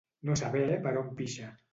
No saber per on pixa.